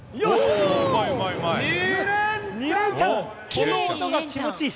この音が気持ちいい！